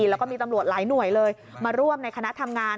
แล้วก็มีตำรวจหลายหน่วยเลยมาร่วมในคณะทำงาน